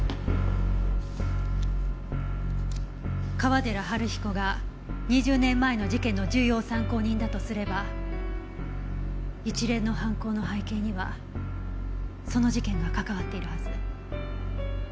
川寺治彦が２０年前の事件の重要参考人だとすれば一連の犯行の背景にはその事件が関わっているはず。